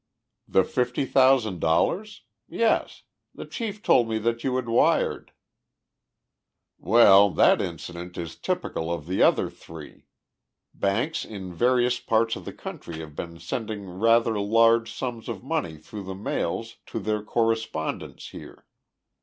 "The fifty thousand dollars? Yes. The chief told me that you had wired." "Well, that incident is typical of the other three. Banks in various parts of the country have been sending rather large sums of money through the mails to their correspondents here.